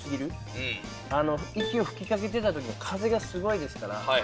息を吹き掛けてた時も風がすごいですから。